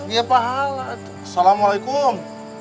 iya pahala assalamualaikum